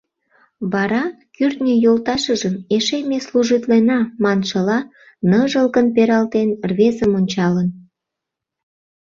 Вара кӱртньӧ йолташыжым, «Эше ме служитлена» маншыла, ныжылгын пералтен, рвезым ончалын.